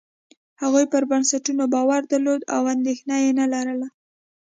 هغوی پر بنسټونو باور درلود او اندېښنه یې نه لرله.